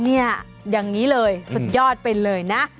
เนี่ยอย่างนี้เลยสุดยอดไปเลยนะ